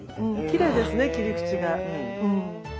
きれいですね切り口が。へ。